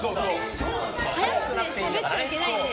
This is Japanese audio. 早口でしゃべっちゃいけないんですよ。